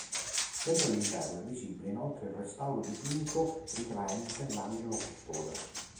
Sempre all'interno è visibile inoltre il restaurato dipinto ritraente l"'Angelo custode".